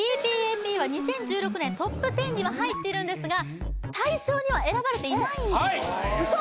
ＰＰＡＰは２０１６年トップ１０には入っているんですが大賞には選ばれていないんですウソ！？